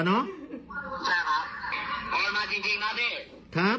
ใช่ครับ